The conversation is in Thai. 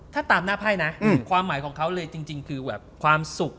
ถ้าตามหน้าไพ่นะความหมายของเขาเลยจริงคือแบบความสุข